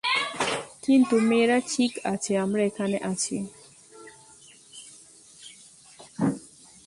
কিন্তু মেয়েরা ঠিক আছে আমরা এখানে আছি।